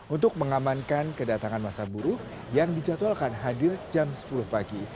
untuk mengamankan kedatangan masa buruh yang dijadwalkan hadir jam sepuluh pagi